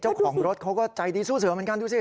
เจ้าของรถเขาก็ใจดีสู้เสือเหมือนกันดูสิ